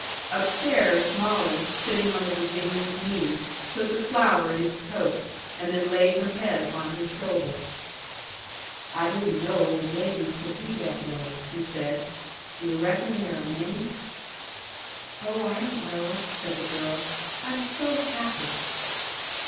Upstairs, Molly, sitting on the Virginian's knee, put the flower in his coat, and then laid her head upon his shoulder. "I didn't know old ladies could be that way," he said. "D' yu' reckon there are many?" "Oh, I don't know," said the girl. "I'm so happy!"